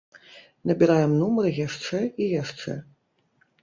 Набіраем нумар яшчэ і яшчэ.